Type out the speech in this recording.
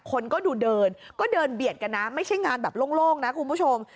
คนก็ดูเดินก็เดินเบียดกันนะไม่ใช่งานแบบโล่งนะคุณผู้ชม